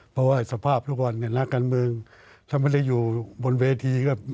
เพราะว่าสภาพทุกวันเนี่ยนักการเมืองถ้าไม่ได้อยู่บนเวทีก็